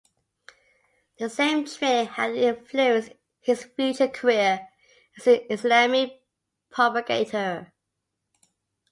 The same training had influenced his future career as an Islamic propagator.